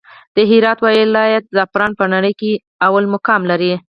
د هرات ولايت زعفران په نړى کې لومړى مقام لري.